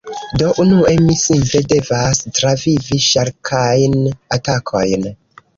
Do, unue mi simple devas travivi ŝarkajn atakojn.